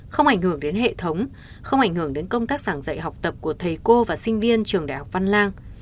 không ảnh hưởng đến hệ thống không ảnh hưởng đến công tác giảng dạy học tập của thầy cô và sinh viên trường đại học văn lang